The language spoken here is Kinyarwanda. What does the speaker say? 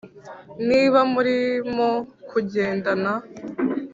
niba murimo kugendana